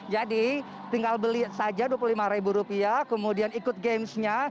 jadi tinggal beli saja rp dua puluh lima kemudian ikut games nya